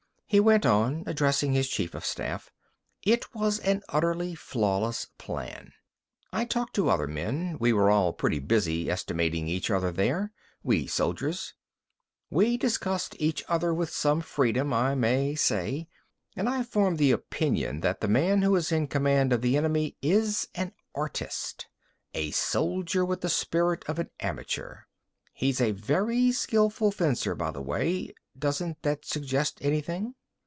He went on, addressing his chief of staff. "It was an utterly flawless plan. I talked to other men. We were all pretty busy estimating each other there, we soldiers. We discussed each other with some freedom, I may say. And I formed the opinion that the man who is in command of the enemy is an artist: a soldier with the spirit of an amateur. He's a very skilful fencer, by the way. Doesn't that suggest anything?"